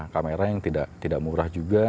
kamera yang tidak murah juga